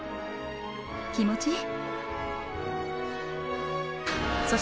気持ちいい？